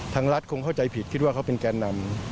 รัฐคงเข้าใจผิดคิดว่าเขาเป็นแก่นำ